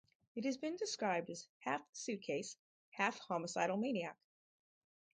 It has been described as "half suitcase, half homicidal maniac".